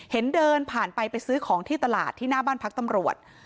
เดินผ่านไปไปซื้อของที่ตลาดที่หน้าบ้านพักตำรวจ